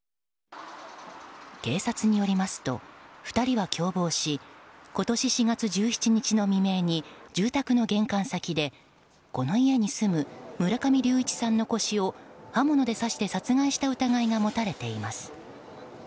警察によりますと、２人は共謀し今年４月１７日の未明に住宅の玄関先でこの家に住む村上隆一さんの腰を刃物で刺して殺害した疑いが持たれています。